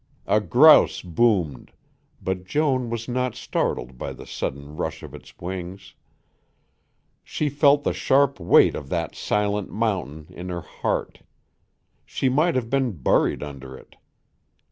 A grouse boomed, but Joan was not startled by the sudden rush of its wings. She felt the sharp weight of that silent mountain in her heart; she might have been buried under it.